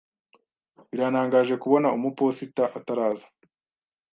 Biratangaje kubona umuposita ataraza.